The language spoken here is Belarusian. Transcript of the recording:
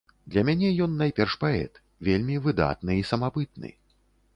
Для мяне ён найперш паэт, вельмі выдатны і самабытны.